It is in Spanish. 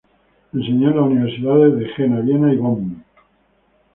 Enseñó en las universidades de Jena, Viena y Bonn.